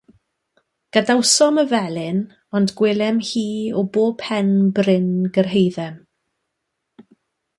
Gadawsom y felin, ond gwelem hi o bob pen bryn gyrhaeddem.